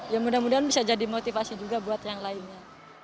ya mudah mudahan bisa jadi motivasi juga buat yang lainnya